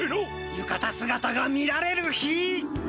ゆかたすがたが見られる日。